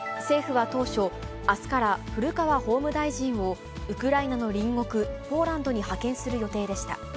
政府は当初、あすから古川法務大臣を、ウクライナの隣国ポーランドに派遣する予定でした。